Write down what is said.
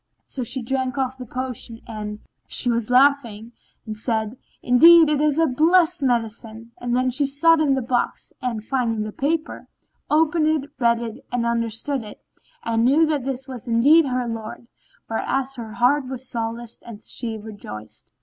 So she drank off the potion (and she laughing) and said, "Indeed, it is a blessed medicine!" Then she sought in the box and, finding the paper, opened it, read it, understood it and knew that this was indeed her lord, whereas her heart was solaced and she rejoiced.